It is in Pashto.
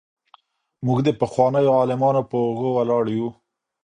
موږ د پخوانيو عالمانو په اوږو ولاړ يو.